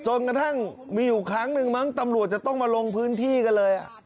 จนกระทั่งมีอยู่ครั้งหนึ่งมั้งตำรวจจะต้องมาลงพื้นที่กันเลย